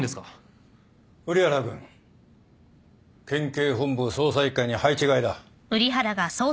瓜原君県警本部捜査一課に配置換えだ。